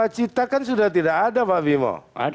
cita kan sudah tidak ada pak bimo